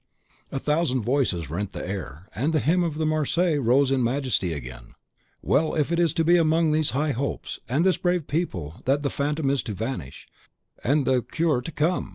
A thousand voices rent the air, and the hymn of the Marseillaise rose in majesty again. "Well, and if it be among these high hopes and this brave people that the phantom is to vanish, and the cure to come!"